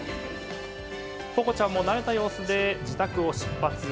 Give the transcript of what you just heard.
ぽこちゃんも慣れた様子で自宅を出発。